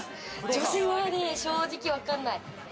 女性はね、正直わかんない。